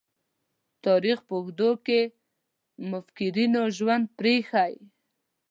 تاریخ په اوږدو کې مُفکرینو ژوند پريښی.